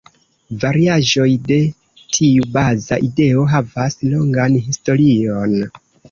Variaĵoj de tiu baza ideo havas longan historion.